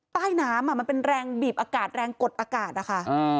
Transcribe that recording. ใต้น้ำมันเป็นแรงบีบอากาศแรงกดอากาศนะคะ